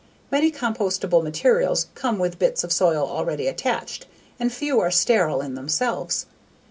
Many compostable materials come with bits of soil already attached and few are sterile in themselves.